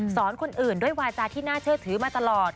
คนอื่นด้วยวาจาที่น่าเชื่อถือมาตลอด